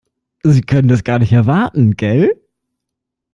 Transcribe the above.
Sie können es gar nicht erwarten, gell?